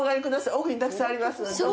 奥にたくさんありますので、どうぞ。